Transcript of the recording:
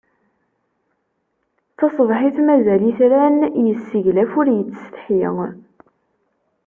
Taṣebḥit mazal itran, yesseglaf ur yettsetḥi.